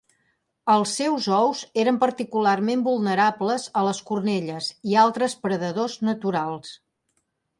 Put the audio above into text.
Els seus ous eren particularment vulnerables a les cornelles i altres predadors naturals.